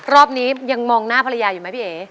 รอบนี้ยังมองหน้าภรรยาอยู่ไหมพี่เอ๋